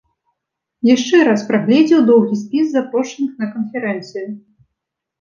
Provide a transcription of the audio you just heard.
Яшчэ раз прагледзеў доўгі спіс запрошаных на канферэнцыю.